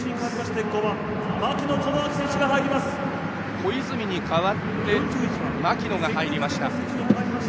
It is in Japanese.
小泉に代わって槙野が入りました。